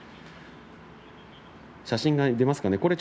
写真が出ましたね